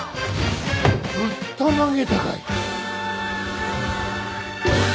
ぶったまげたかい？